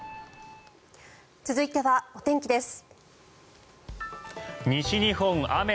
続いてはお天気です。